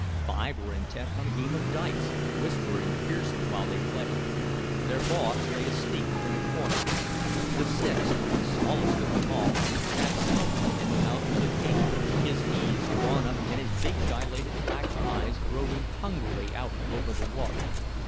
Five were intent on a game of dice, whispering fiercely while they played. Their boss lay asleep in a corner. The sixth, the smallest of them all, sat smoking in the mouth of the cave, his knees drawn up and his big dilated black eyes roving hungrily out over the water.